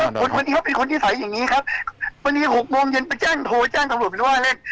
วันนี้เขาเป็นคนนิสัยอย่างนี้ครับวันนี้๖โมงเย็นไปจ้างโทรจ้างสมรวจบินว่าเล่น